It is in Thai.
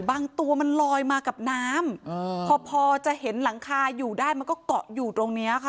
ตัวมันลอยมากับน้ำพอพอจะเห็นหลังคาอยู่ได้มันก็เกาะอยู่ตรงเนี้ยค่ะ